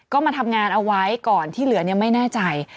ก็มาทำงานเอาไว้ก่อนที่เหลือไม่แน่ใจ